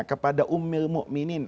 kepada umil mu'minin